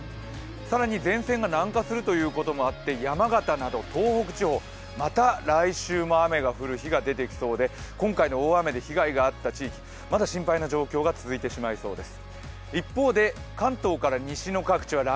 更に前線が南下するということもあって山形など東北地方、また来週も雨が降る日が出てきそうで今回の大雨で被害があった地域、まだ心配な状況が続いてしまいそうです。